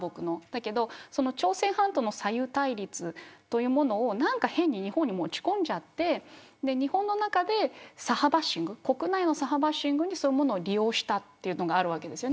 だけれど朝鮮半島の左右対立というものを変に日本に持ち込んじゃって日本の中で左派バッシング国内の左派バッシングにそういうものを利用したということがあるわけです。